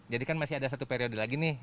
jadi kan masih ada satu periode lagi nih